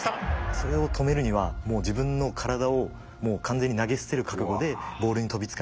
それを止めるにはもう自分の体をもう完全に投げ捨てる覚悟でボールに飛びつかないと。